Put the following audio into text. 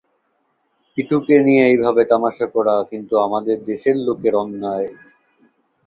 পিটুকে নিয়ে এইভাবে তামাশা করা কিন্তু আমাদের দেশের লোকের অন্যায়।